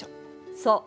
そう。